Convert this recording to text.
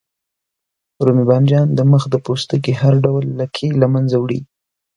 رومي بانجان د مخ د پوستکي هر ډول لکې له منځه وړي.